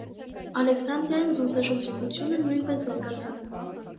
Ալեսանդրիայում զբոսաշրջիկությունը նույնպես զարգացած է։